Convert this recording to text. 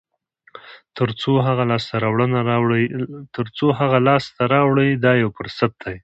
تر څو هغه لاسته راوړئ دا یو فرصت دی.